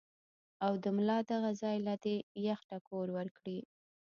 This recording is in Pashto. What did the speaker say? او د ملا دغه ځائے له دې يخ ټکور ورکړي -